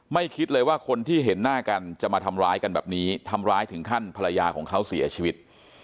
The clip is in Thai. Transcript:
คิดเลยว่าคนที่เห็นหน้ากันจะมาทำร้ายกันแบบนี้ทำร้ายถึงขั้นภรรยาของเขาเสียชีวิต